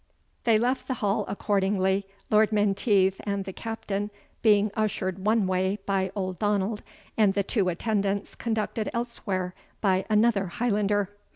They left the hall accordingly, Lord Menteith and the Captain being ushered one way by old Donald, and the two attendants conducted elsewhere by another Highlander.